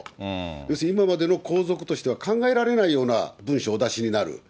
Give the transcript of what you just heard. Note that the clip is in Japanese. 要するに今までの皇族としては考えられないような文書をお出しになる。